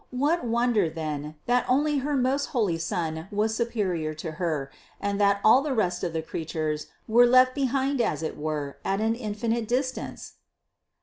What wonder then, that only her most holy Son was superior to Her and that all the rest of the creatures were left behind as it were at an infinite dis tance